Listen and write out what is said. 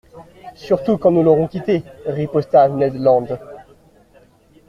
—Surtout quand nous l'aurons quitté !» riposta Ned Land.